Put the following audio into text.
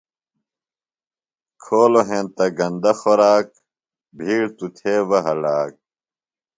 کھولوۡ ہینتہ گندہ خوراک، بِھیڑ توۡ تھےۡ بہ ہلا